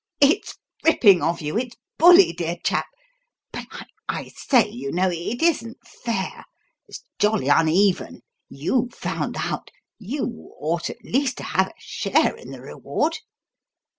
"It's ripping of you it's bully, dear chap, but I say, you know, it isn't fair. It's jolly uneven. You found out. You ought at least to have a share in the reward."